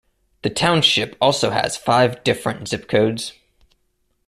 The township also has five different zip codes.